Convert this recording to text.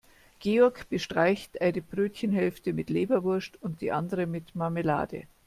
Georg bestreicht eine Brötchenhälfte mit Leberwurst und die andere mit Marmelade.